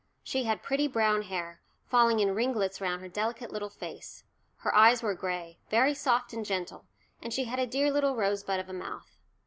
She had pretty brown hair, falling in ringlets round her delicate little face; her eyes were gray, very soft and gentle, and she had a dear little rosebud of a mouth.